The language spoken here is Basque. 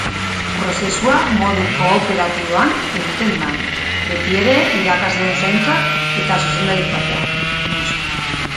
Prozesua modu kooperatiboan egiten da, betiere irakasleen zaintza eta zuzendaritzapean, noski.